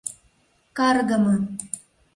Каргыме!